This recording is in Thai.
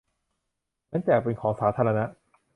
เหมือนแจกเป็นของสาธารณะ